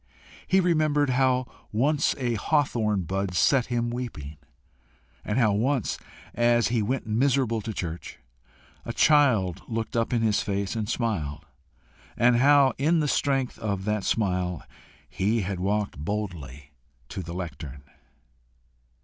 He remembered how once a hawthorn bud set him weeping; and how once, as he went miserable to church, a child looked up in his face and smiled, and how in the strength of that smile he had walked boldly to the lectern.